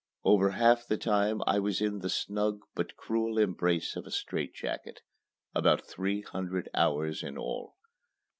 Over half the time I was in the snug, but cruel embrace of a strait jacket about three hundred hours in all.